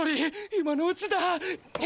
今のうちだ！